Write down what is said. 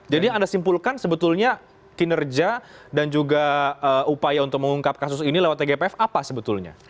jadi anda simpulkan sebetulnya kinerja dan juga upaya untuk mengungkap kasus ini lewat tgpf apa sebetulnya